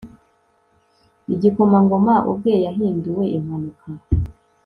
igikomangoma ubwe yahinduwe impanuka